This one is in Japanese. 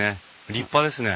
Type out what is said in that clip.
立派ですね。